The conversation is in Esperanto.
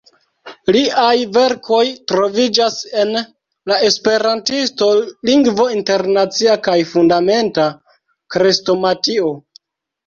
Liaj verkoj troviĝas en "La Esperantisto, Lingvo Internacia" kaj "Fundamenta Krestomatio".